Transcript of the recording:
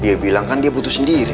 dia bilang kan dia butuh sendiri